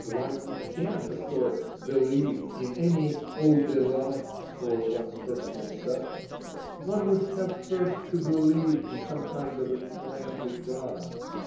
One can't, of course, believe in any au dela for one's personal self ; one would have first to beheve in some kind of a friendly god.